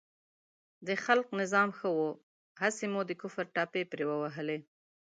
د خلق نظام ښه و، هسې مو د کفر ټاپې پرې ووهلې.